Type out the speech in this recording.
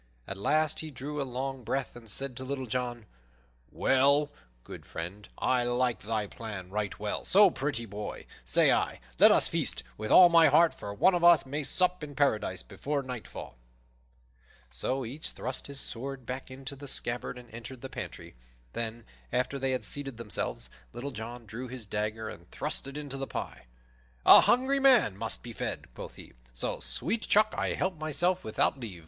At last he drew a long breath and said to Little John, "Well, good friend, I like thy plan right well; so, pretty boy, say I, let us feast, with all my heart, for one of us may sup in Paradise before nightfall." So each thrust his sword back into the scabbard and entered the pantry. Then, after they had seated themselves, Little John drew his dagger and thrust it into the pie. "A hungry man must be fed," quoth he, "so, sweet chuck, I help myself without leave."